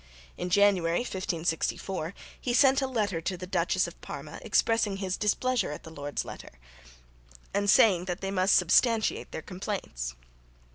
In January, 1564 he sent a letter to the Duchess of Parma expressing his displeasure at the lords' letter, and saying that they must substantiate their complaints.